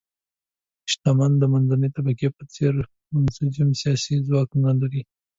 شتمن د منځنۍ طبقې په څېر منسجم سیاسي ځواک نه لري.